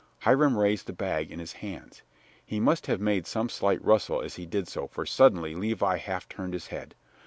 Hiram raised the bag in his hands. He must have made some slight rustle as he did so, for suddenly Levi half turned his head.